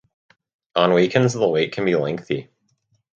On weekends the wait can be lengthy.